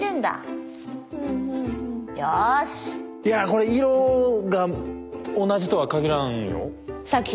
いやこれ色が同じとは限らんよ。